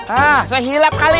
ah sehilap kali